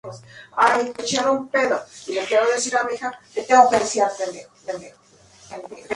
La actriz y cantante alternó con Luis Gatica y Jorge Lavat.